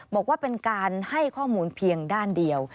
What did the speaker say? บอกว่าเป็นการให้ข้อมูลเพียงด้านเดียว